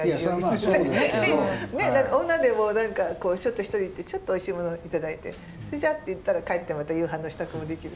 女でも何かこうちょっと一人で行ってちょっとおいしいもの頂いて「それじゃ」って言ったら帰ってまた夕飯の支度もできる。